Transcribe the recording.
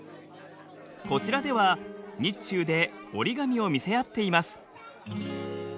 こちらでは日中で折り紙を見せ合っています。